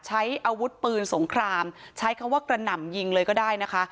ใช้อาวุธปืนสงครามใช้คำว่ากระหน่ำยิงเลยก็ได้นะคะ